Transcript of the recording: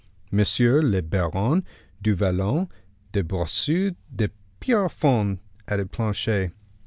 "Monsieur le Baron du Vallon de Bracieux de Pierrefonds," added Planchet.